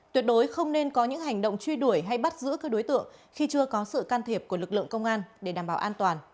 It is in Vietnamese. tuyệt đối không nên có những hành động truy đuổi hay bắt giữ các đối tượng khi chưa có sự can thiệp của lực lượng công an để đảm bảo an toàn